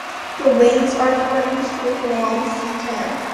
The wings are fringed with long setae.